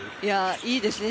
いいですね